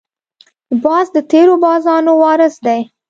باز د تېرو بازانو وارث دی